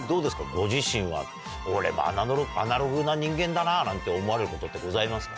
ご自身は「俺アナログな人間だな」なんて思われることってございますか？